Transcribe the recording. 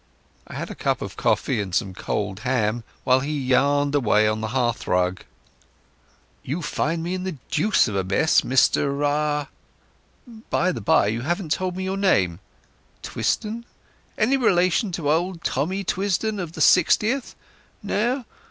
I had a cup of coffee and some cold ham, while he yarned away on the hearthrug. "You find me in the deuce of a mess, Mr ——; by the by, you haven't told me your name. Twisdon? Any relation of old Tommy Twisdon of the Sixtieth? No?